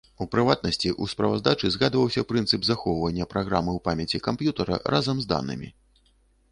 У прыватнасці ў справаздачы згадваўся прынцып захоўвання праграмы ў памяці камп'ютара разам з данымі.